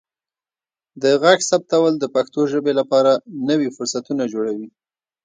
د غږ ثبتول د پښتو ژبې لپاره نوي فرصتونه جوړوي.